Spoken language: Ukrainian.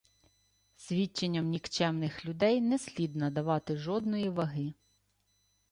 Свідченням нікчемних людей не слід надавати жодної ваги.